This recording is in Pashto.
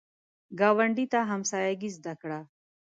ګاونډي ته همسایګي زده کړه